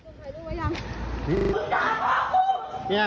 มึงด่าเพราะเขาเนี่ยมึงด่าเพราะเขาเนี่ยกูก็ได้ยินเนี่ย